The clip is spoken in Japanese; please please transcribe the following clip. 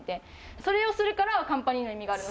それをするから、カンパニーの意味があるの。